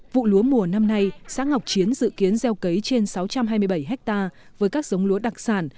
vụ lúa mùa năm nay xã ngọc chiến dự kiến gieo cấy trên sáu trăm hai mươi bảy hectare với các giống lúa đặc sản